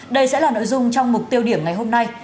đây sẽ là nội dung trong mục tiêu điểm ngày hôm nay